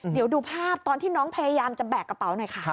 เดี๋ยวดูภาพตอนที่น้องพยายามจะแบกกระเป๋าหน่อยค่ะ